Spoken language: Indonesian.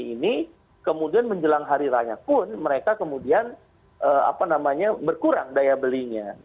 pada saat pandemi ini kemudian menjelang hari raya pun mereka kemudian berkurang daya belinya